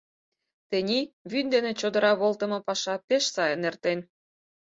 Тений вӱд дене чодыра волтымо паша пеш сайын эртен.